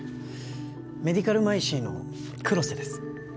メディカルマイシーの黒瀬です